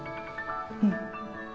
うん。